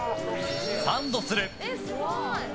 サンドする！